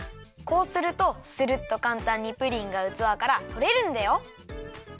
こうするとスルッとかんたんにプリンがうつわからとれるんだよ。